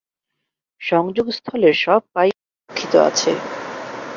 সংযোগ স্থলের সব পাইপ সুরক্ষিত আছে।